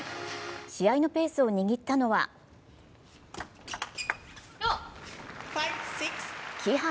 試合のペースを握ったのは木原！